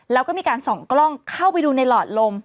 แล้วก็มีการส่องกล้องเข้าไปดูในหลอดลม